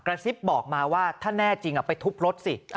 ซิบบอกมาว่าถ้าแน่จริงไปทุบรถสิ